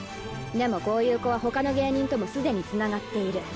でもこういう子は他の芸人ともすでにつながっている。